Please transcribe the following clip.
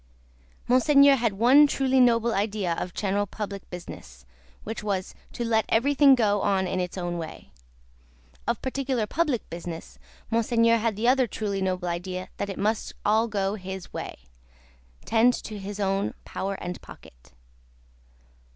Monseigneur had one truly noble idea of general public business, which was, to let everything go on in its own way; of particular public business, Monseigneur had the other truly noble idea that it must all go his way tend to his own power and pocket.